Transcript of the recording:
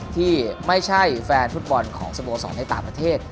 ที่ไม่ใช่แฟนฟุตบอลของสโมสรในต่างประเทศ